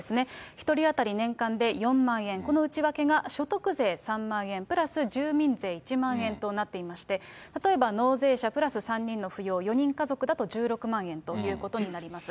１人当たり年間で４万円、この内訳が所得税３万円プラス住民税１万円となっていまして、例えば納税者プラス３人の扶養、４人家族だと１６万円ということになります。